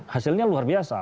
hasilnya luar biasa